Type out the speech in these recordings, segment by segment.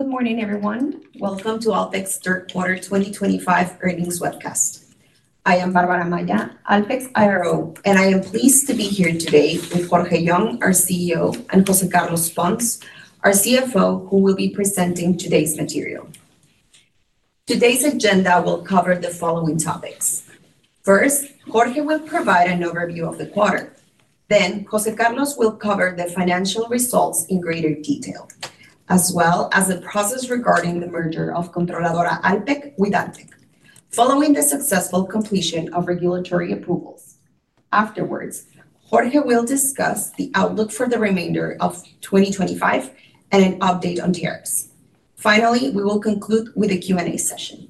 Good morning, everyone. Welcome to ALPEK's Third Quarter 2025 earnings webcast. I am Bárbara Amaya, ALPEK's IRO, and I am pleased to be here today with Jorge Young, our CEO, and José Carlos Pons, our CFO, who will be presenting today's material. Today's agenda will cover the following topics. First, Jorge will provide an overview of the quarter. Then, José Carlos will cover the financial results in greater detail, as well as the process regarding the merger of Controladora ALPEK with ALPEK, following the successful completion of regulatory approvals. Afterwards, Jorge will discuss the outlook for the remainder of 2025 and an update on tariffs. Finally, we will conclude with a Q&A session.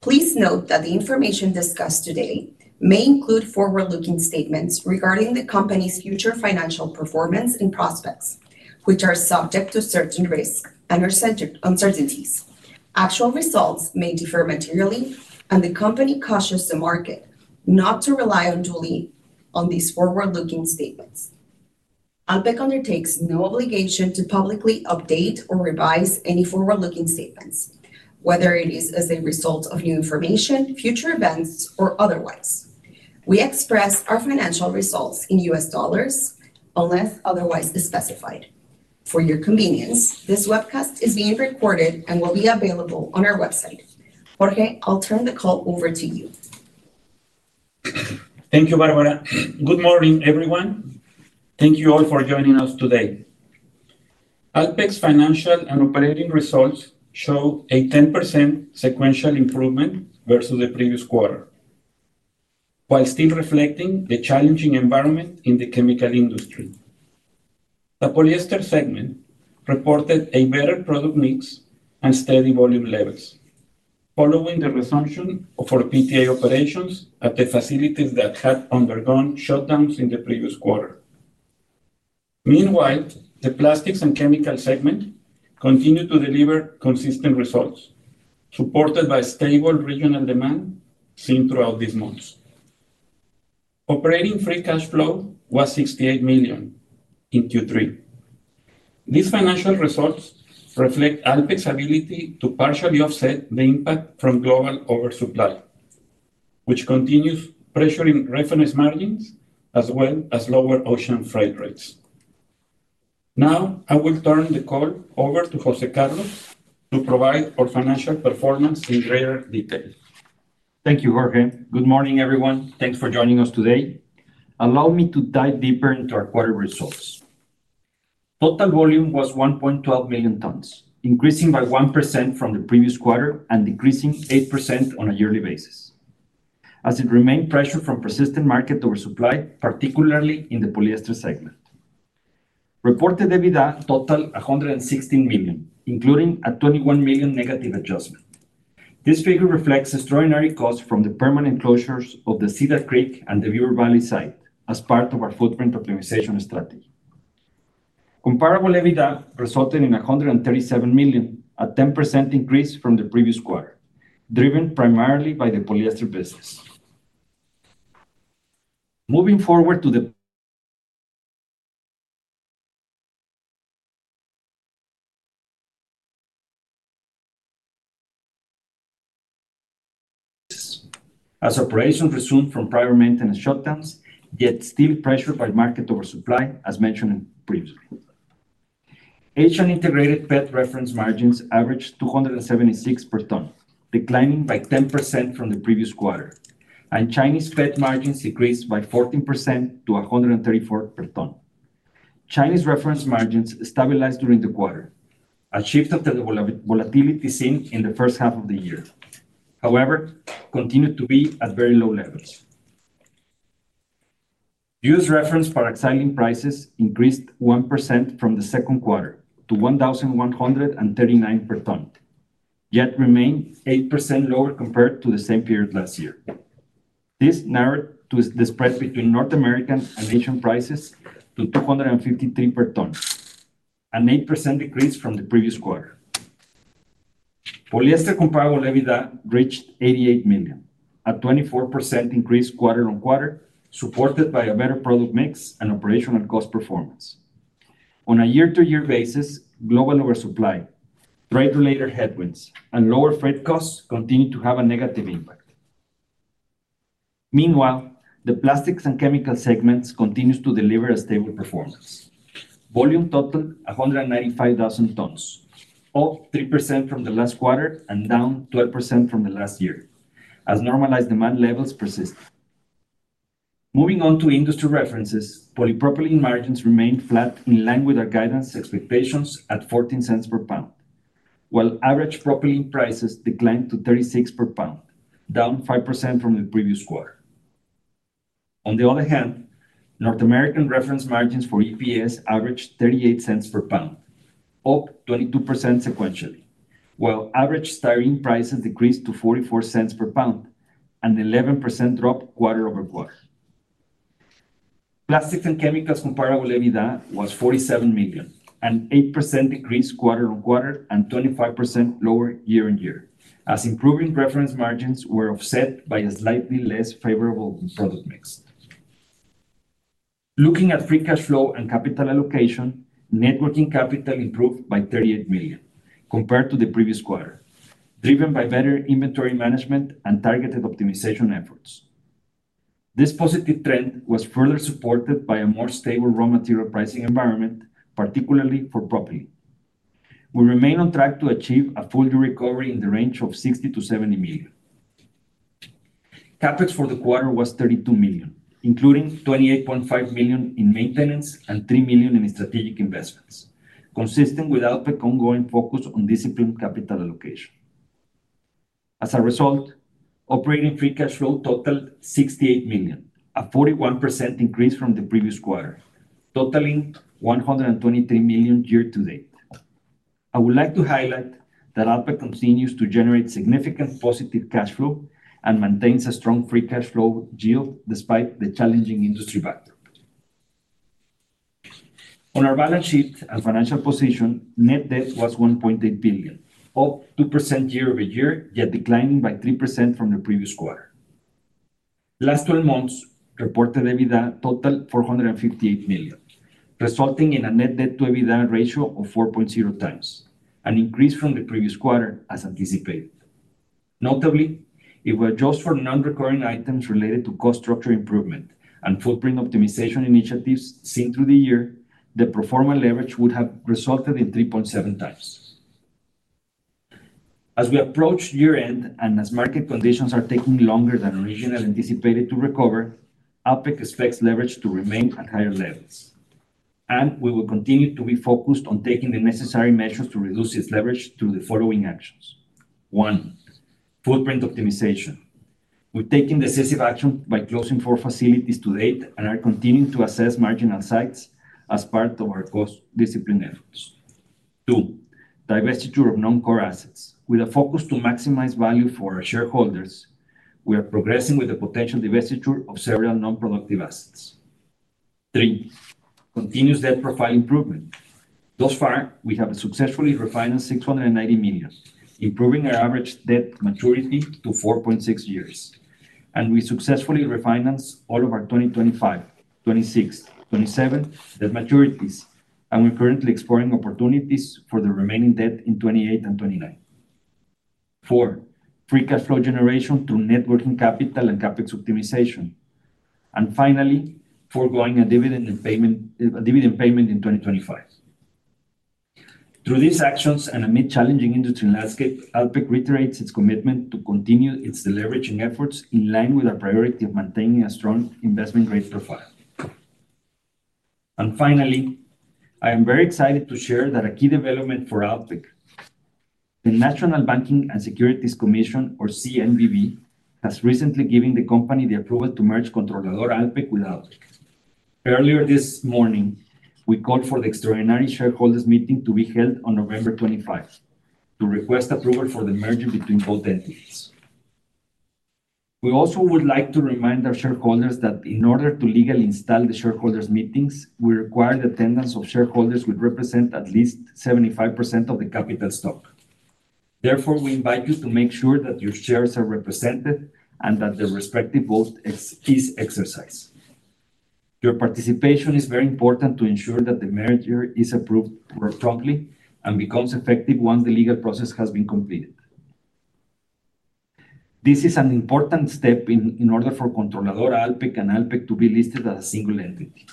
Please note that the information discussed today may include forward-looking statements regarding the company's future financial performance and prospects, which are subject to certain risks and uncertainties. Actual results may differ materially, and the company cautions the market not to rely on these forward-looking statements. ALPEK undertakes no obligation to publicly update or revise any forward-looking statements, whether it is as a result of new information, future events, or otherwise. We express our financial results in US dollars, unless otherwise specified. For your convenience, this webcast is being recorded and will be available on our website. Jorge, I'll turn the call over to you. Thank you, Bárbara. Good morning, everyone. Thank you all for joining us today. ALPEK's financial and operating results show a 10% sequential improvement versus the previous quarter, while still reflecting the challenging environment in the chemical industry. The polyester segment reported a better product mix and steady volume levels, following the resumption of our PTA operations at the facilities that had undergone shutdowns in the previous quarter. Meanwhile, the plastics and chemical segment continued to deliver consistent results, supported by stable regional demand seen throughout these months. Operating free cash flow was $68 million in Q3. These financial results reflect ALPEK's ability to partially offset the impact from global oversupply, which continues pressuring refinance margins as well as lower ocean freight rates. Now, I will turn the call over to José Carlos to provide our financial performance in greater detail. Thank you, Jorge. Good morning, everyone. Thanks for joining us today. Allow me to dive deeper into our quarter results. Total volume was 1.12 million tons, increasing by 1% from the previous quarter and decreasing 8% on a yearly basis, as it remained pressured from persistent market oversupply, particularly in the polyester segment. Reported EBITDA totaled $116 million, including a $21 million negative adjustment. This figure reflects extraordinary costs from the permanent closures of the Cedar Creek and the Beaver Valley site as part of our footprint optimization strategy. Comparable EBITDA resulted in $137 million, a 10% increase from the previous quarter, driven primarily by the polyester business. Moving forward to the... As operations resumed from prior maintenance shutdowns, yet still pressured by market oversupply, as mentioned previously. Asian integrated PET reference margins averaged $276 per ton, declining by 10% from the previous quarter, and Chinese PET margins decreased by 14% to $134 per ton. Chinese reference margins stabilized during the quarter, a shift of the volatility seen in the first half of the year. However, it continued to be at very low levels. U.S. reference paraxylene prices increased 1% from the second quarter to $1,139 per ton, yet remained 8% lower compared to the same period last year. This narrowed the spread between North American and Asian prices to $253 per ton, an 8% decrease from the previous quarter. Polyester comparable EBITDA reached $88 million, a 24% increase quarter on quarter, supported by a better product mix and operational cost performance. On a year-to-year basis, global oversupply, trade-related headwinds, and lower freight costs continue to have a negative impact. Meanwhile, the plastics and chemicals segments continue to deliver a stable performance. Volume totaled 195,000 tons, up 3% from the last quarter and down 12% from last year, as normalized demand levels persist. Moving on to industry references, polypropylene margins remained flat in line with our guidance expectations at $0.14 per pound, while average propylene prices declined to $0.36 per pound, down 5% from the previous quarter. On the other hand, North American reference margins for EPS averaged $0.38 per pound, up 22% sequentially, while average styrene prices decreased to $0.44 per pound, an 11% drop quarter-over-quarter. Plastics and chemicals comparable EBITDA was $47 million, an 8% decrease quarter on quarter and 25% lower year on year, as improving reference margins were offset by a slightly less favorable product mix. Looking at free cash flow and capital allocation, net working capital improved by $38 million compared to the previous quarter, driven by better inventory management and targeted optimization efforts. This positive trend was further supported by a more stable raw material pricing environment, particularly for propylene. We remain on track to achieve a full-year recovery in the range of $60 million-$70 million. CapEx for the quarter was $32 million, including $28.5 million in maintenance and $3 million in strategic investments, consistent with ALPEK's ongoing focus on disciplined capital allocation. As a result, operating free cash flow totaled $68 million, a 41% increase from the previous quarter, totaling $123 million year to date. I would like to highlight that ALPEK continues to generate significant positive cash flow and maintains a strong free cash flow yield despite the challenging industry backdrop. On our balance sheet and financial position, net debt was $1.8 billion, up 2% year-over-year, yet declining by 3% from the previous quarter. Last 12 months, reported EBITDA totaled $458 million, resulting in a net debt to EBITDA ratio of 4.0 times, an increase from the previous quarter as anticipated. Notably, if we adjust for non-recurring items related to cost structure improvement and footprint optimization initiatives seen through the year, the performance leverage would have resulted in 3.7 times. As we approach year-end and as market conditions are taking longer than originally anticipated to recover, ALPEK expects leverage to remain at higher levels, and we will continue to be focused on taking the necessary measures to reduce its leverage through the following actions. One, footprint optimization. We've taken decisive action by closing four facilities to date and are continuing to assess marginal sites as part of our cost discipline efforts. Two, divestiture of non-core assets. With a focus to maximize value for our shareholders, we are progressing with the potential divestiture of several non-productive assets. Three, continuous debt profile improvement. Thus far, we have successfully refinanced $690 million, improving our average debt maturity to 4.6 years, and we successfully refinanced all of our 2025, 2026, 2027 debt maturities, and we're currently exploring opportunities for the remaining debt in 2028 and 2029. Four, free cash flow generation through net working capital and CapEx optimization, and finally, foregoing a dividend payment in 2025. Through these actions and amid a challenging industry landscape, ALPEK reiterates its commitment to continue its deleveraging efforts in line with our priority of maintaining a strong investment grade profile. Finally, I am very excited to share that a key development for ALPEK, the National Banking and Securities Commission, or CNBV, has recently given the company the approval to merge Controladora ALPEK with ALPEK. Earlier this morning, we called for the extraordinary shareholders' meeting to be held on November 25 to request approval for the merger between both entities. We also would like to remind our shareholders that in order to legally install the shareholders' meeting, we require the attendance of shareholders who represent at least 75% of the capital stock. Therefore, we invite you to make sure that your shares are represented and that the respective vote is exercised. Your participation is very important to ensure that the merger is approved work-friendly and becomes effective once the legal process has been completed. This is an important step in order for Controladora ALPEK and ALPEK to be listed as a single entity.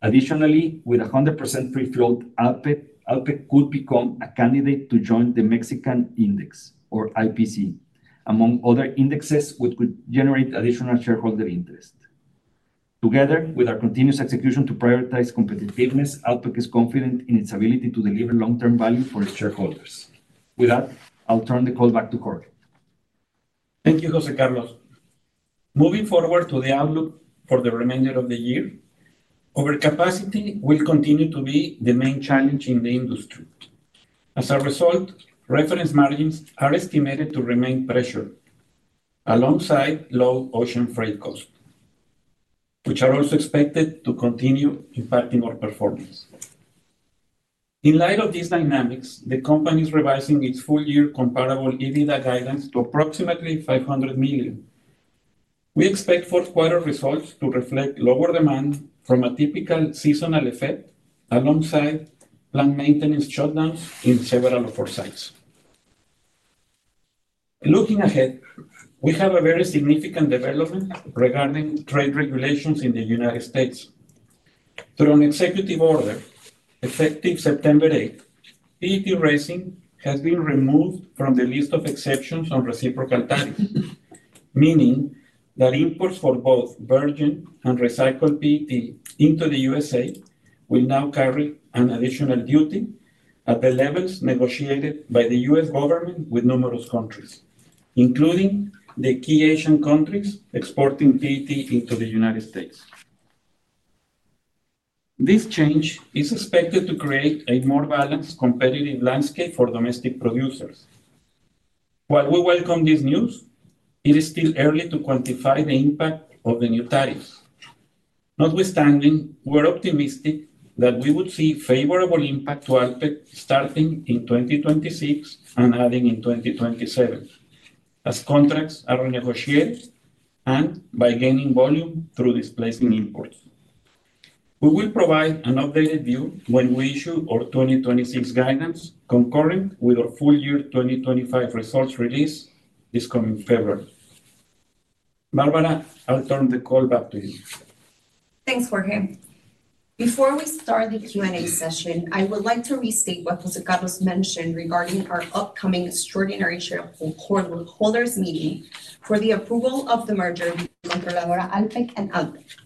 Additionally, with 100% free float, ALPEK could become a candidate to join the Mexican Index, or IPC, among other indexes which could generate additional shareholder interest. Together with our continuous execution to prioritize competitiveness, ALPEK is confident in its ability to deliver long-term value for its shareholders. With that, I'll turn the call back to Jorge. Thank you, José Carlos. Moving forward to the outlook for the remainder of the year, overcapacity will continue to be the main challenge in the industry. As a result, reference margins are estimated to remain pressured alongside low ocean freight costs, which are also expected to continue impacting our performance. In light of these dynamics, the company is revising its full-year comparable EBITDA guidance to approximately $500 million. We expect fourth quarter results to reflect lower demand from a typical seasonal effect alongside planned maintenance shutdowns in several of our sites. Looking ahead, we have a very significant development regarding trade regulations in the United States. Through an executive order effective September 8, PET has been removed from the list of exceptions on reciprocal tariffs, meaning that imports for both virgin and recycled PET into the U.S. will now carry an additional duty at the levels negotiated by the U.S. government with numerous countries, including the key Asian countries exporting PET into the United States. This change is expected to create a more balanced competitive landscape for domestic producers. While we welcome this news, it is still early to quantify the impact of the new tariffs. Notwithstanding, we're optimistic that we would see a favorable impact to ALPEK starting in 2026 and ending in 2027 as contracts are renegotiated and by gaining volume through displacing imports. We will provide an updated view when we issue our 2026 guidance concurrent with our full-year 2025 results release this coming February. Bárbara, I'll turn the call back to you. Thanks, Jorge. Before we start the Q&A session, I would like to restate what José Carlos mentioned regarding our upcoming extraordinary shareholders’ meeting for the approval of the merger between Controladora ALPEK and ALPEK. Your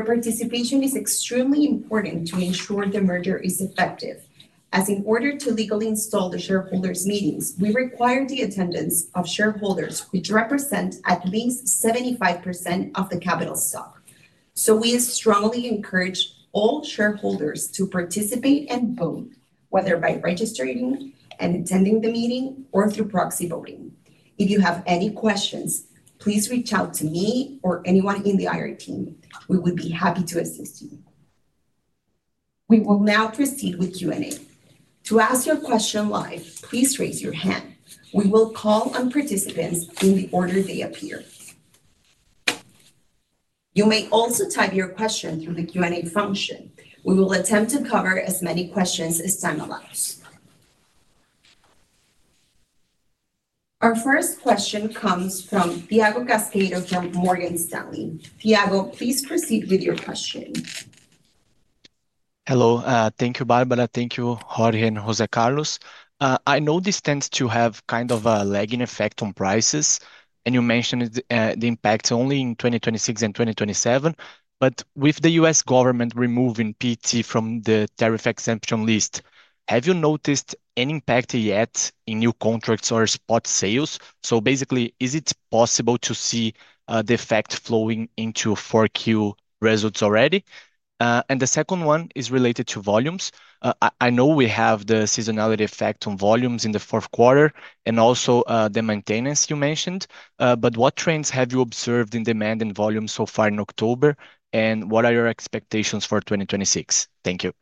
participation is extremely important to ensure the merger is effective, as in order to legally install the shareholders’ meetings, we require the attendance of shareholders which represent at least 75% of the capital stock. We strongly encourage all shareholders to participate and vote, whether by registering and attending the meeting or through proxy voting. If you have any questions, please reach out to me or anyone in the IR team. We would be happy to assist you. We will now proceed with Q&A. To ask your question live, please raise your hand. We will call on participants in the order they appear. You may also type your question through the Q&A function. We will attempt to cover as many questions as time allows. Our first question comes from Thiago Cascado from Morgan Stanley. Thiago, please proceed with your question. Hello. Thank you, Bárbara. Thank you, Jorge and José Carlos. I know this tends to have kind of a lagging effect on prices, and you mentioned the impact only in 2026 and 2027. With the U.S. government removing PET from the tariff exemption list, have you noticed any impact yet in new contracts or spot sales? Is it possible to see the effect flowing into 4Q results already? The second one is related to volumes. I know we have the seasonality effect on volumes in the fourth quarter and also the maintenance you mentioned. What trends have you observed in demand and volume so far in October, and what are your expectations for 2026? Thank you.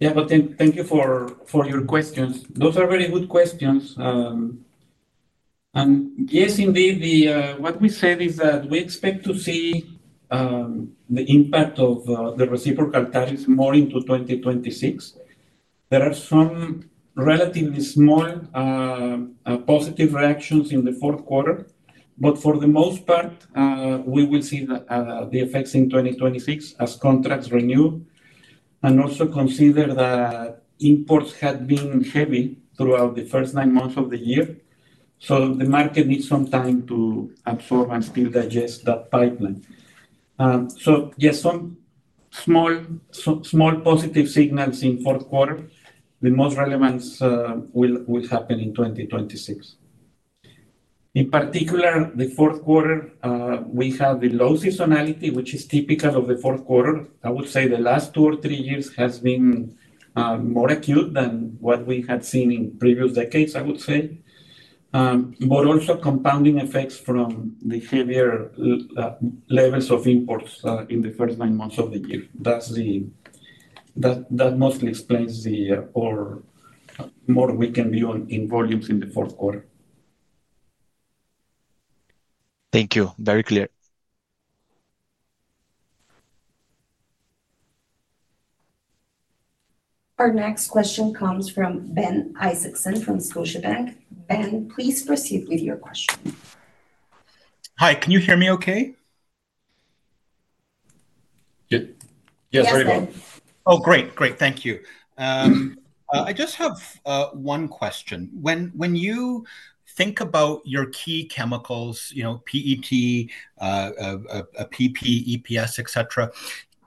Thank you for your questions. Those are very good questions. Yes, indeed, what we said is that we expect to see the impact of the reciprocal tariffs more into 2026. There are some relatively small positive reactions in the fourth quarter, but for the most part, we will see the effects in 2026 as contracts renew and also consider that imports had been heavy throughout the first nine months of the year. The market needs some time to absorb and still digest that pipeline. Yes, some small positive signals in the fourth quarter. The most relevance will happen in 2026. In particular, the fourth quarter, we have the low seasonality, which is typical of the fourth quarter. I would say the last two or three years have been more acute than what we had seen in previous decades, I would say, but also compounding effects from the heavier levels of imports in the first nine months of the year. That mostly explains the more weakened view on volumes in the fourth quarter. Thank you. Very clear. Our next question comes from Ben Isaacson from Scotiabank. Ben, please proceed with your question. Hi, can you hear me okay? Yes, very good. Oh, great, great. Thank you. I just have one question. When you think about your key chemicals, PET, polypropylene, EPS, etc.,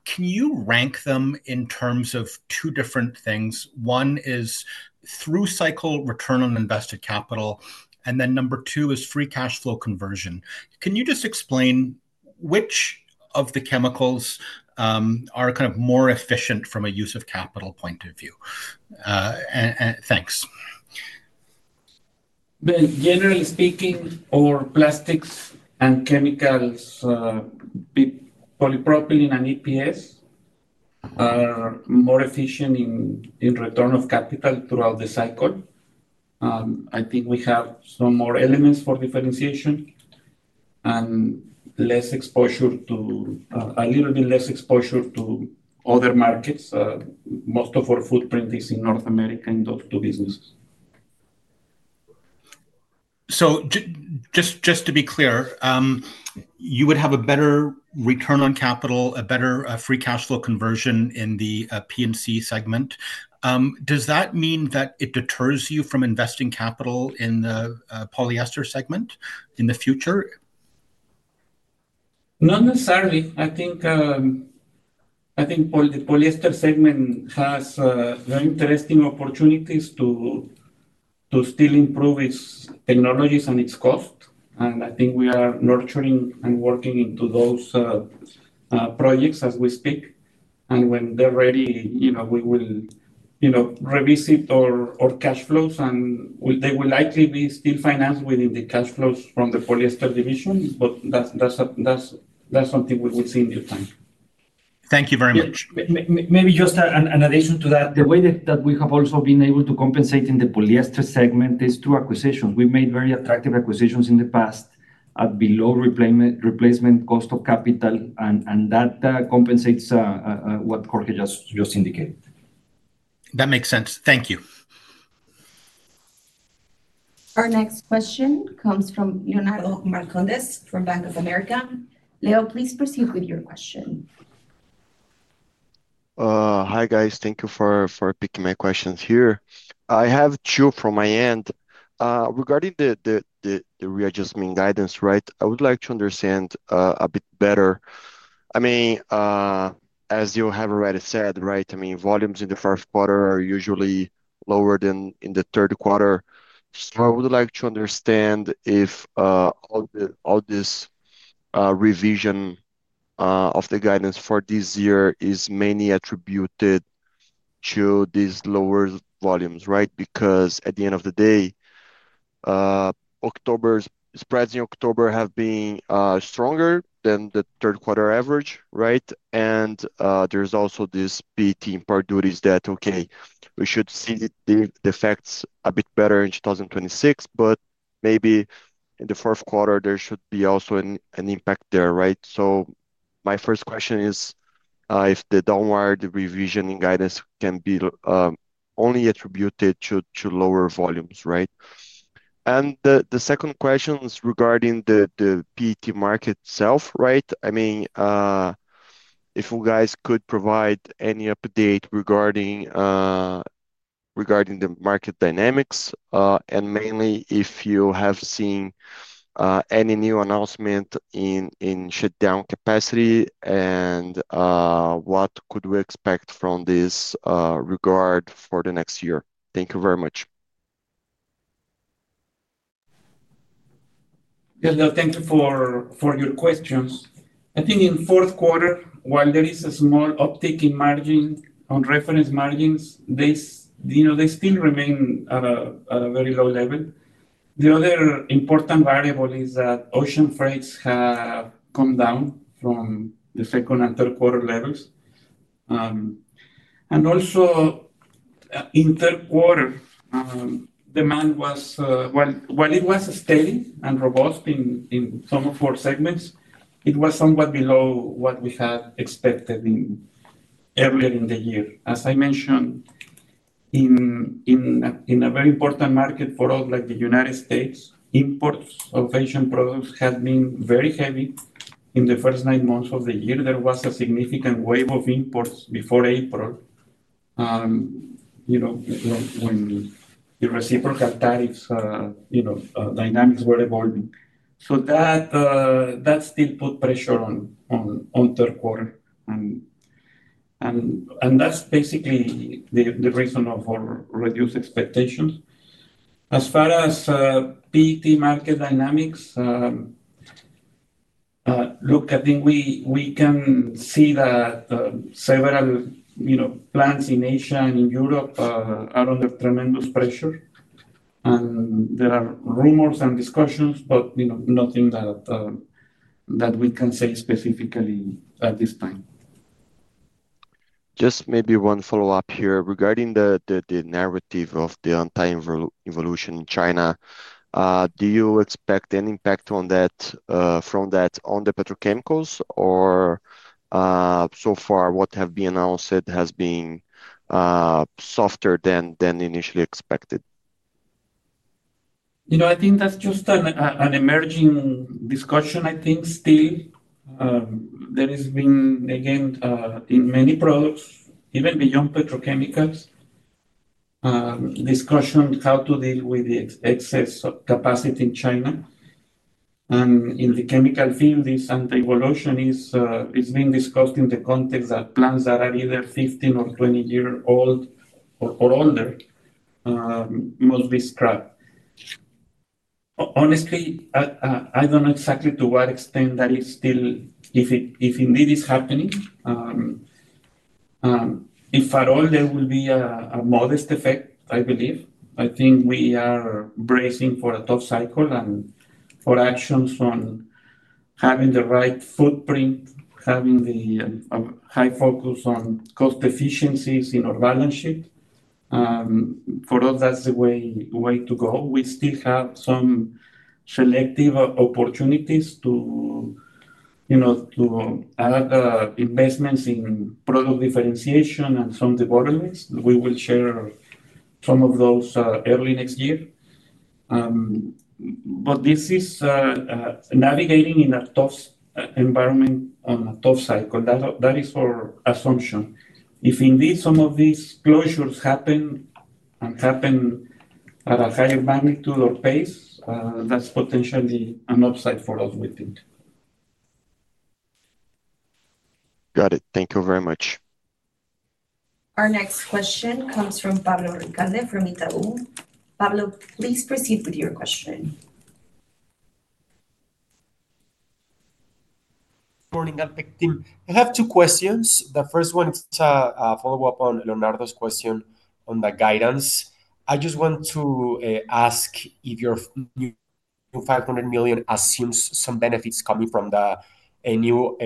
can you rank them in terms of two different things? One is through cycle return on invested capital, and then number two is free cash flow conversion. Can you just explain which of the chemicals are kind of more efficient from a use of capital point of view? Thanks. Generally speaking, our plastics and chemicals, polypropylene and EPS, are more efficient in return of capital throughout the cycle. I think we have some more elements for differentiation and a little bit less exposure to other markets. Most of our footprint is in North America in those two businesses. Just to be clear, you would have a better return on capital, a better free cash flow conversion in the PMC segment. Does that mean that it deters you from investing capital in the polyester segment in the future? Not necessarily. I think the polyester segment has very interesting opportunities to still improve its technologies and its cost. I think we are nurturing and working into those projects as we speak. When they're ready, we will revisit our cash flows, and they will likely be still financed within the cash flows from the polyester division. That's something we will see in due time. Thank you very much. Maybe just an addition to that, the way that we have also been able to compensate in the polyester segment is through acquisitions. We've made very attractive acquisitions in the past at below replacement cost of capital, and that compensates what Jorge just indicated. That makes sense. Thank you. Our next question comes from Leonardo Marcondes from Bank of America. Leo, please proceed with your question. Hi guys, thank you for picking my questions here. I have two from my end. Regarding the readjustment guidance, I would like to understand a bit better. I mean, as you have already said, volumes in the first quarter are usually lower than in the third quarter. I would like to understand if all this revision of the guidance for this year is mainly attributed to these lower volumes, right? Because at the end of the day, spreads in October have been stronger than the third quarter average, and there's also this PET import duties that, okay, we should see the effects a bit better in 2026, but maybe in the fourth quarter, there should be also an impact there. My first question is if the downward revision in guidance can be only attributed to lower volumes. The second question is regarding the PET market itself. If you guys could provide any update regarding the market dynamics, and mainly if you have seen any new announcement in shutdown capacity, and what could we expect from this regard for the next year? Thank you very much. Thank you for your questions. I think in the fourth quarter, while there is a small uptick in margin on reference margins, they still remain at a very low level. The other important variable is that ocean freights have come down from the second and third quarter levels. Also, in the third quarter, demand was, while it was steady and robust in some of our segments, it was somewhat below what we had expected earlier in the year. As I mentioned, in a very important market for us, like the United States, imports of Asian products had been very heavy in the first nine months of the year. There was a significant wave of imports before April when the reciprocal tariff dynamics were evolving. That still put pressure on third quarter. That's basically the reason of our reduced expectations. As far as PET market dynamics, I think we can see that several plants in Asia and in Europe are under tremendous pressure. There are rumors and discussions, but nothing that we can say specifically at this time. Just maybe one follow-up here regarding the narrative of the anti-involution in China. Do you expect an impact from that on the petrochemicals, or so far, what has been announced has been softer than initially expected? I think that's just an emerging discussion. I think still there has been, again, in many products, even beyond petrochemicals, discussion on how to deal with the excess capacity in China. In the chemical field, this anti-involution is being discussed in the context that plants that are either 15 or 20 years old or older must be scrapped. Honestly, I don't know exactly to what extent that is still, if indeed it's happening. If at all, there will be a modest effect, I believe. I think we are bracing for a tough cycle and for actions on having the right footprint, having the high focus on cost efficiencies in our balance sheet. For us, that's the way to go. We still have some selective opportunities to add investments in product differentiation and some debottlements. We will share some of those early next year. This is navigating in a tough environment on a tough cycle. That is our assumption. If indeed some of these closures happen and happen at a higher magnitude or pace, that's potentially an upside for us, we think. Got it. Thank you very much. Our next question comes from Pablo Ricalde from Itaú. Pablo, please proceed with your question. Morning, ALPEK team. I have two questions. The first one is a follow-up on Leonardo's question on the guidance. I just want to ask if your new $500 million assumes some benefits coming from the new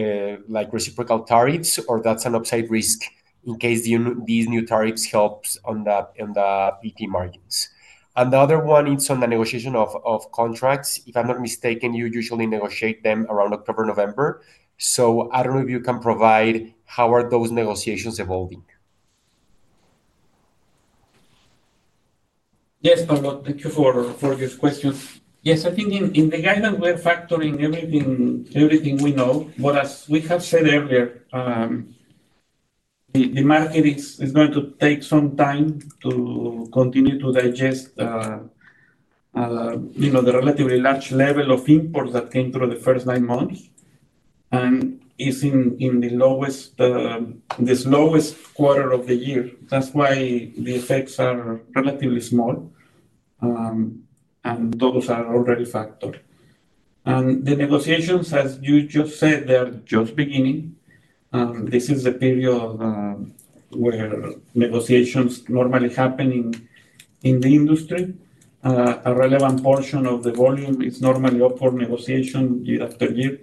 reciprocal tariffs, or that's an upside risk in case these new tariffs help on the PET markets. The other one is on the negotiation of contracts. If I'm not mistaken, you usually negotiate them around October, November. I don't know if you can provide how those negotiations are evolving. Yes, Pablo, thank you for your question. Yes, I think in the guidance, we are factoring everything we know. As we have said earlier, the market is going to take some time to continue to digest the relatively large level of imports that came through the first nine months and is in the lowest quarter of the year. That's why the effects are relatively small. Those are already factored. The negotiations, as you just said, are just beginning. This is the period where negotiations normally happen in the industry. A relevant portion of the volume is normally up for negotiation year after year,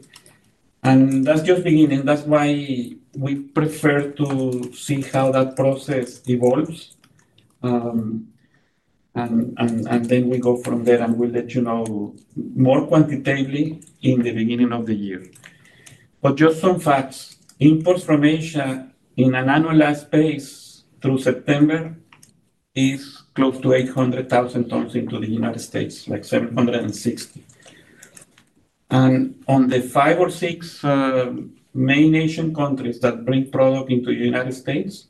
and that's just beginning. That's why we prefer to see how that process evolves. We go from there, and we'll let you know more quantitatively in the beginning of the year. Just some facts. Imports from Asia in an annualized pace through September are close to 800,000 tons into the United States, like 760,000. On the five or six main Asian countries that bring product into the United States,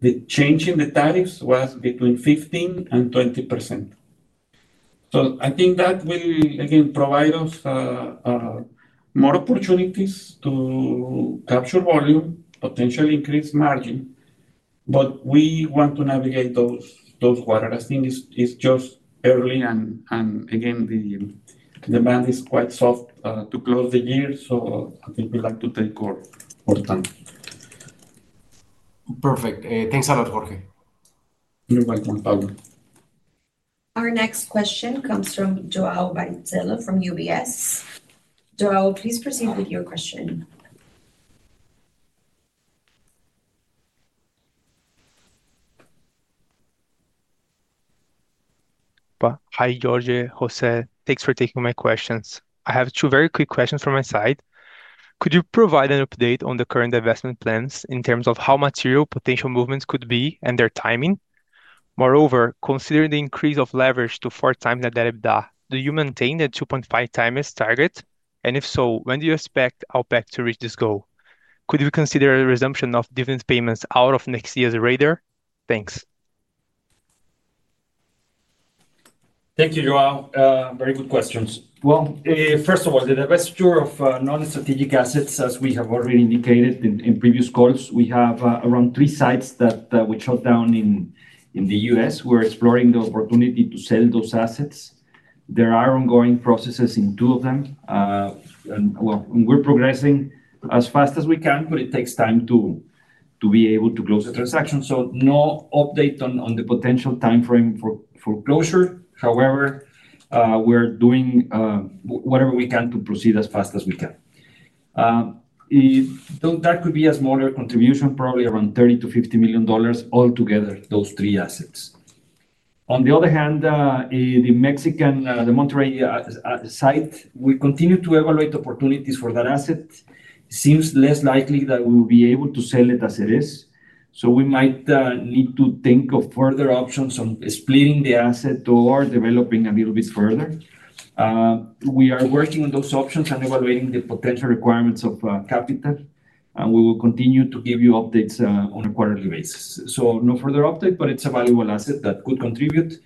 the change in the tariffs was between 15% and 20%. I think that will, again, provide us more opportunities to capture volume, potentially increase margin. We want to navigate those quarters. I think it's just early, and again, the demand is quite soft to close the year. I think we like to take our time. Perfect. Thanks a lot, Jorge. You're welcome, Pablo. Our next question comes from Joao Barichello from UBS. Joao, please proceed with your question. Hi, Jorge, José, thanks for taking my questions. I have two very quick questions from my side. Could you provide an update on the current investment plans in terms of how material potential movements could be and their timing? Moreover, considering the increase of leverage to 4 times the EBITDA, do you maintain the 2.5 times target? If so, when do you expect ALPEK to reach this goal? Could we consider a resumption of dividend payments out of next year's radar? Thanks. Thank you, Joao. Very good questions. First of all, the divestiture of non-strategic assets, as we have already indicated in previous calls, we have around three sites that we shut down in the U.S. We're exploring the opportunity to sell those assets. There are ongoing processes in two of them, and we're progressing as fast as we can, but it takes time to be able to close the transaction. No update on the potential timeframe for closure. However, we're doing whatever we can to proceed as fast as we can. That could be a smaller contribution, probably around $30 million-$50 million altogether, those three assets. On the other hand, the Mexican, the Monterrey site, we continue to evaluate opportunities for that asset. It seems less likely that we will be able to sell it as it is. We might need to think of further options on splitting the asset or developing a little bit further. We are working on those options and evaluating the potential requirements of capital. We will continue to give you updates on a quarterly basis. No further update, but it's a valuable asset that could contribute.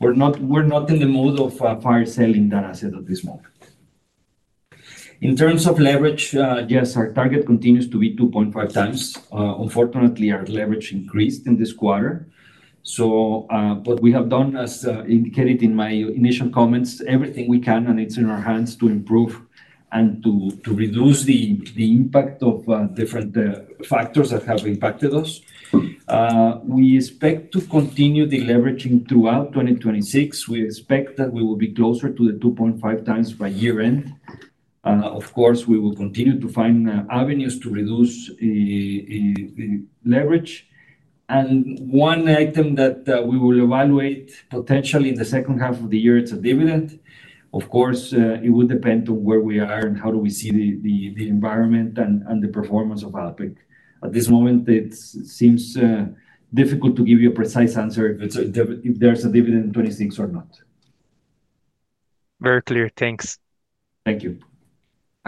We're not in the mode of fire selling that asset at this moment. In terms of leverage, yes, our target continues to be 2.5 times. Unfortunately, our leverage increased in this quarter. We have done, as indicated in my initial comments, everything we can, and it's in our hands to improve and to reduce the impact of different factors that have impacted us. We expect to continue deleveraging throughout 2026. We expect that we will be closer to the 2.5 times by year-end. Of course, we will continue to find avenues to reduce the leverage. One item that we will evaluate potentially in the second half of the year is a dividend. Of course, it would depend on where we are and how we see the environment and the performance of ALPEK. At this moment, it seems difficult to give you a precise answer if there's a dividend in 2026 or not. Very clear. Thanks. Thank you.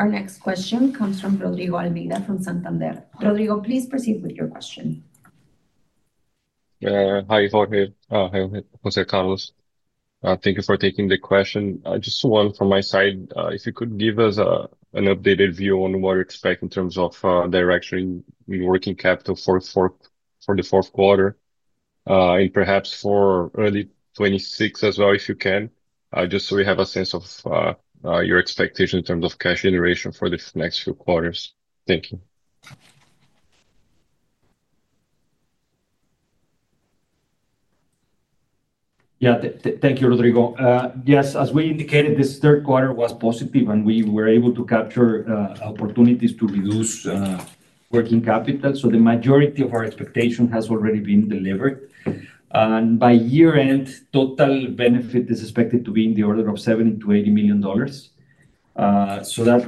Our next question comes from Rodrigo Almeida from Santander. Rodrigo, please proceed with your question. Hi, Jorge. José Carlos. Thank you for taking the question. Just one from my side. If you could give us an updated view on what to expect in terms of direction in working capital for the fourth quarter, and perhaps for early 2026 as well, if you can, just so we have a sense of your expectation in terms of cash generation for the next few quarters. Thank you. Thank you, Rodrigo. Yes, as we indicated, this third quarter was positive and we were able to capture opportunities to reduce working capital. The majority of our expectation has already been delivered. By year-end, total benefit is expected to be in the order of $70 million-$80 million.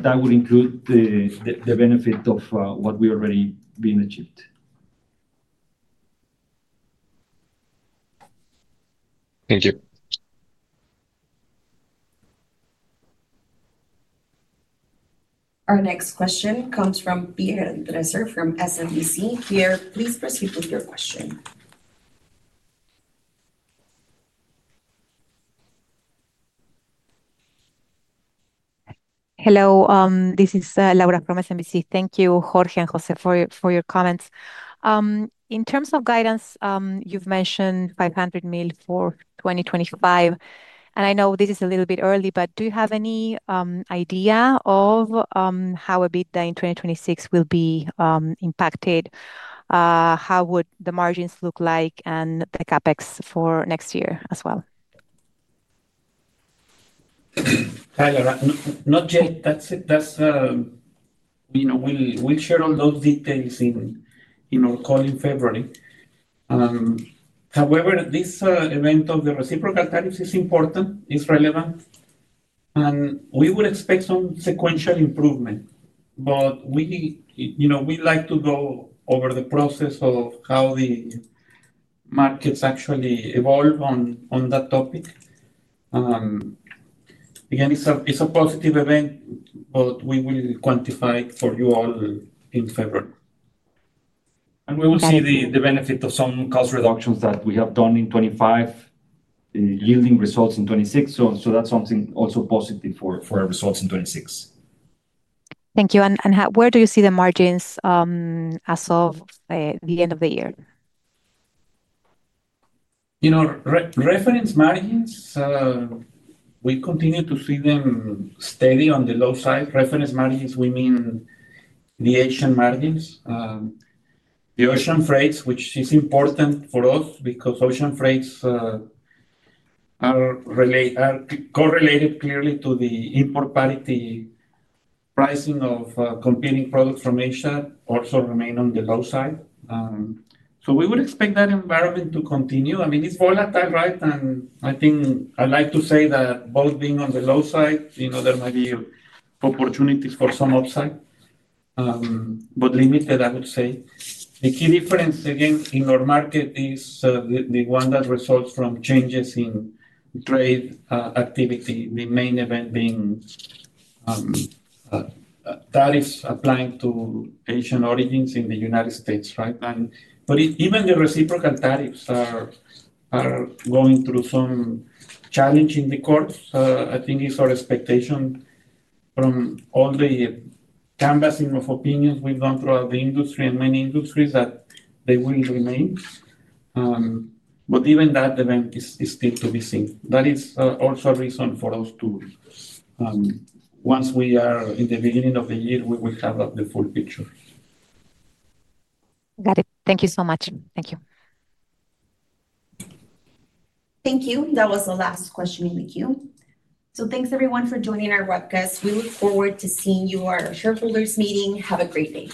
That would include the benefit of what we already achieved. Thank you. Our next question comes from Pierre Andreser from SMBC. Pierre, please proceed with your question. Hello. This is Laura from SMBC. Thank you, Jorge and José, for your comments. In terms of guidance, you've mentioned $500 million for 2025. I know this is a little bit early, but do you have any idea of how EBITDA in 2026 will be impacted? How would the margins look and the CapEx for next year as well? Hi, Laura. Not yet. We'll share all those details in our call in February. However, this event of the reciprocal tariffs is important, is relevant, and we would expect some sequential improvement. We like to go over the process of how the markets actually evolve on that topic. Again, it's a positive event, but we will quantify it for you all in February. We will see the benefit of some cost reductions that we have done in 2025 yielding results in 2026. That is something also positive for results in 2026. Thank you. Where do you see the margins as of the end of the year? Reference margins, we continue to see them steady on the low side. Reference margins, we mean the Asian margins. The ocean freights, which is important for us because ocean freights are correlated clearly to the import parity pricing of competing products from Asia, also remain on the low side. We would expect that environment to continue. It's volatile, right? I think I like to say that both being on the low side, there might be opportunities for some upside, but limited, I would say. The key difference, again, in our market is the one that results from changes in trade activity, the main event being tariffs applying to Asian origins in the United States, right? Even the reciprocal tariffs are going through some challenge in the court. I think it's our expectation from all the canvassing of opinions we've done throughout the industry and many industries that they will remain. Even that event is still to be seen. That is also a reason for us to, once we are in the beginning of the year, we will have the full picture. Got it. Thank you so much. Thank you. Thank you. That was the last question in the queue. Thank you, everyone, for joining our webcast. We look forward to seeing you at our shareholders’ meeting. Have a great day.